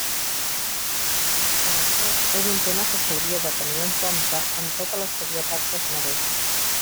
Per açò, és un tema que s'hauria de tenir en compte amb tota la serietat que es mereix.